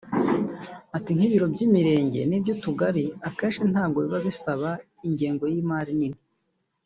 Ati “Nk’ibiro by’imirenge n’iby’utugari akenshi ntabwo biba bisaba ingengo y’imari nini